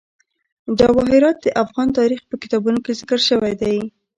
جواهرات د افغان تاریخ په کتابونو کې ذکر شوی دي.